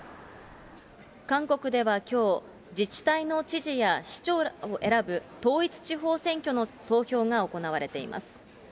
韓国ではきょう、自治体の知事や市長らを選ぶ統一地方選挙の投票が行われています。